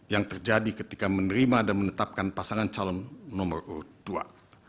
yang terjadi ketika menerima dan menetapkan pasangan calon nomor urut dua